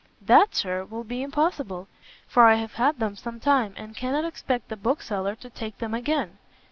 "That, Sir, will be impossible, for I have had them some time, and cannot expect the bookseller to take them again."